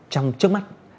trong trước mắt